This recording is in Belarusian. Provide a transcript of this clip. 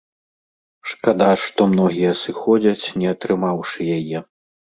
Шкада, што многія сыходзяць, не атрымаўшы яе.